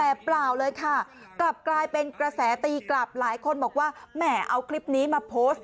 แต่เปล่าเลยค่ะกลับกลายเป็นกระแสตีกลับหลายคนบอกว่าแหมเอาคลิปนี้มาโพสต์